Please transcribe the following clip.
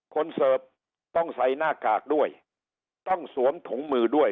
เสิร์ฟต้องใส่หน้ากากด้วยต้องสวมถุงมือด้วย